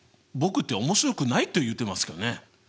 僕って面白くないと言ってますかね？